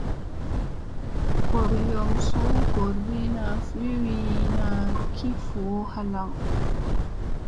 Gooryom suu goor boygina vi wiina ki voo halaŋ.